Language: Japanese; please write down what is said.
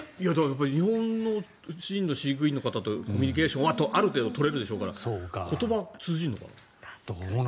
日本の飼育員の方とコミュニケーションはある程度取れるでしょうから言葉、通じるのかな？